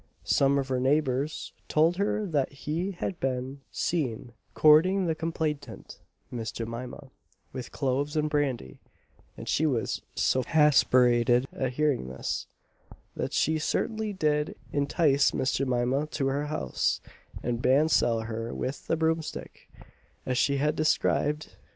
Some of her neighbours told her that he had been seen courting the complainant (Miss Jemima) with cloves and brandy; and she was so hasperated at hearing this, that she certainly did entice Miss Jemima to her house, and bansell her with the broomstick as she had described.